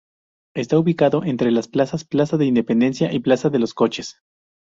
Está ubicado entre las plazas Plaza de Independencia y Plaza de los Coches.